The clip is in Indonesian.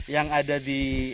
yang ada di